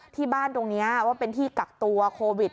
ที่บ้านตรงนี้ว่าเป็นที่กักตัวโควิด